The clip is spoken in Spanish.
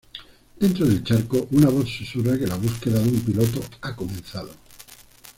Dentro del charco, una voz susurra que la búsqueda de un piloto ha comenzado.